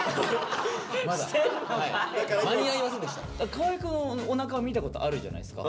河合くんおなかは見たことあるじゃないですか。